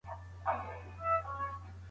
هغوی د خپلو هڅو په برکت پرمختګ وکړ.